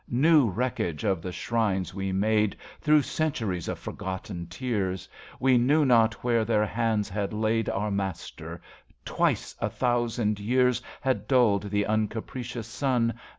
2 PRELUDE New wreckage of the shrines we made Thro' centuries of forgotten tears. ... We knew not where their hands had laid Our Master. Twice a thousand years Had dulled the uncapricious sun.